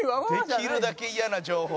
できるだけ嫌な情報。